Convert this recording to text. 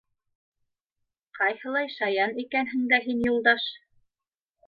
— Ҡайһылай шаян икәнһең дә һин, Юлдаш!